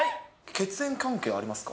血縁関係はありますか。